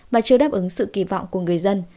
và chưa đáp ứng sự kỳ vọng của người dân